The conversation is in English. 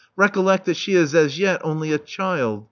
Recollect that she is as yet only a child.